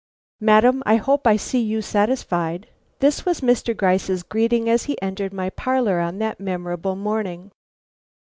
"Madam, I hope I see you satisfied?" This was Mr. Gryce's greeting as he entered my parlor on that memorable morning.